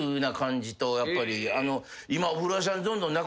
今。